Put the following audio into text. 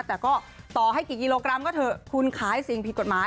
แต่ก็ต่อให้กี่กิโลกรัมก็เถอะคุณขายสิ่งผิดกฎหมาย